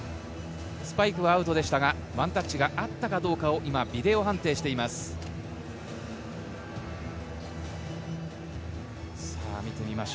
スパイクはアウトでしたがワンタッチがあったかどうかを今、ビデオ判定しています。